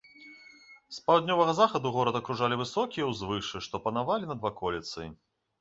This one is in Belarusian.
З паўднёвага захаду горад акружалі высокія ўзвышшы, што панавалі над ваколіцай.